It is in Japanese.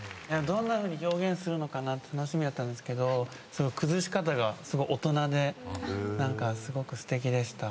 どんなふうに表現するのか楽しみだったんですけど崩し方が大人ですごくすてきでした。